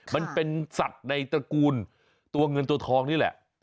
มันเป็นสัตว์ในตระกูลตัวเงินตัวทองนี่แหละ